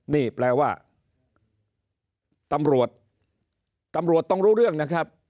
นี่แปลว่าตำรวจตำรวจต้องรู้เรื่องนะครับ